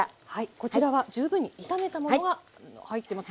こちらは十分に炒めたものが入ってます。